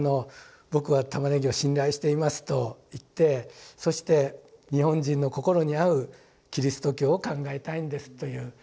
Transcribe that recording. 「ぼくは玉ねぎを信頼しています」と言ってそして「日本人の心にあう基督教を考えたいんです」という。